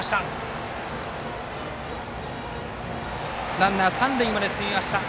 ランナー、三塁まで進みました。